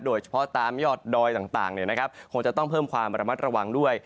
โดยเฉพาะตามยอดดอยต่างคงจะต้องเพิ่มความระมัดระวังด้วย